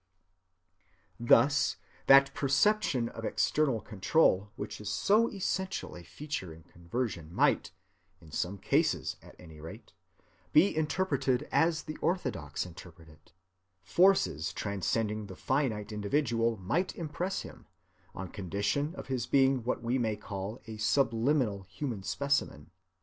Thus that perception of external control which is so essential a feature in conversion might, in some cases at any rate, be interpreted as the orthodox interpret it: forces transcending the finite individual might impress him, on condition of his being what we may call a subliminal human specimen.